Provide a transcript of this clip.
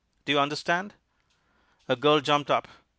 Do you understand?" A girl jumped up.